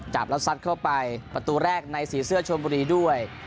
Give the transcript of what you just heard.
จับแล้วซัดเข้าไปประตูแรกในสีเสื้อชนบุรีด้วย